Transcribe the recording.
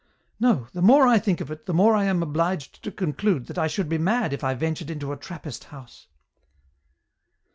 " No ; the more I think of it, the more I am obliged to conclude that I should be mad if I ventured into a Trappist house.